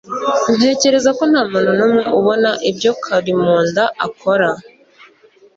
Ntekereza ko ntamuntu numwe ubona ibyo Karimunda akora